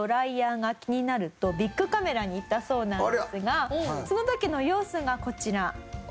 ビックカメラに行ったそうなんですがその時の様子がこちら。